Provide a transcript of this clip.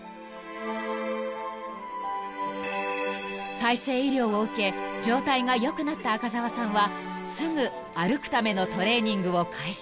［再生医療を受け状態がよくなった赤澤さんはすぐ歩くためのトレーニングを開始］